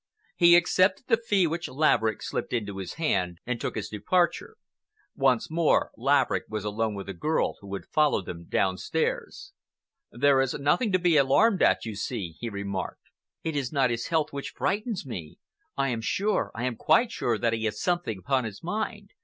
He accepted the fee which Laverick slipped into his hand, and took his departure. Once more Laverick was alone with the girl, who had followed them downstairs. "There is nothing to be alarmed at, you see," he remarked. "It is not his health which frightens me. I am sure—I am quite sure that he has something upon his mind.